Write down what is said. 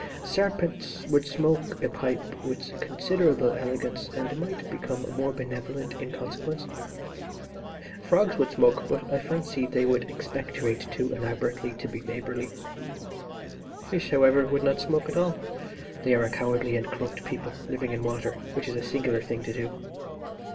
Serpents would smoke a pipe with considerable elegance, and might become more benevolent in consequence. Frogs would smoke, but I fancy they would expectorate too elaborately to be neighbourly. Fish, however, would not smoke at all. They are a cowardly and corrupt people, living in water, which is a singular thing to do.